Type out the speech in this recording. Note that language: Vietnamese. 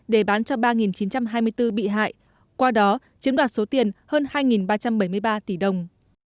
để bán cho ba chín trăm hai mươi bốn bị hại qua đó chiếm đoạt số tiền hơn hai ba trăm bảy mươi ba tỷ đồng